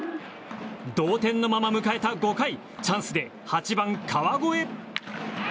同点のまま迎えた５回チャンスで８番、川越。